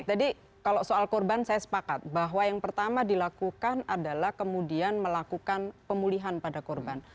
jadi kalau soal korban saya sepakat bahwa yang pertama dilakukan adalah kemudian melakukan pemulihan pada korban